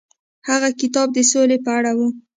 هغه کتاب د سولې په اړه و.